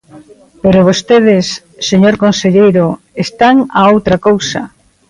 Pero vostedes, señor conselleiro, están a outra cousa.